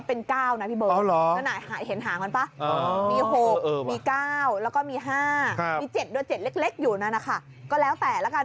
อ้าวอย่างนั้นถามนะไอ้ปื้นเลขอะไร